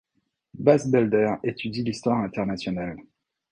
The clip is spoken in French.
Bas Belder étudie l'histoire internationale.